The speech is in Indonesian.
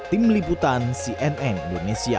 tim meliputan cnn indonesia